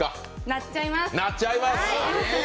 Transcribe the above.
なっちゃいます！